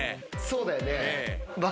そうだね。